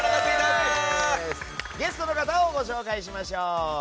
ゲストの方をご紹介しましょう。